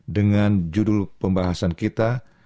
dengan judul pembahasan kita